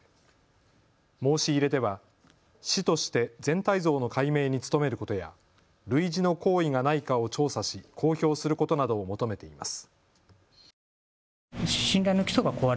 申し入れでは市として全体像の解明に努めることや類似の行為がないかを調査し公表することなどを求めています。